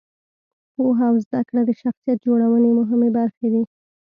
پوهه او زده کړه د شخصیت جوړونې مهمې برخې دي.